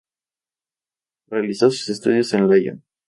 Realizó sus estudios en Lyon.